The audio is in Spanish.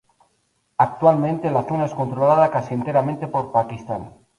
Actualmente la zona es controlada casi enteramente por Pakistán.